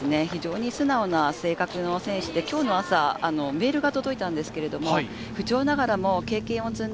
非常に素直な性格の選手で、今日の朝、メールが届いたんですが、不調ながらも経験を積ん